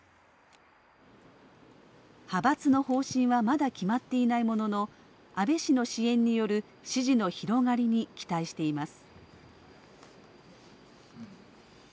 派閥の方針はまだ決まっていないものの安倍氏の支援による支持の広がりに期待しています。